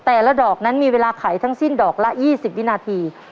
แต่ละดอกนั้นมีเวลาไขทั้งสิ้นดอกละ๒๐วินาที